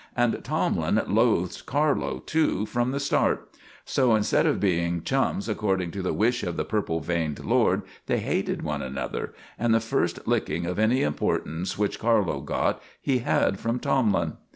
And Tomlin loathed Carlo, too, from the start; so instead of being chums according to the wish of the purple veined lord, they hated one another, and the first licking of any importance which Carlo got he had from Tomlin.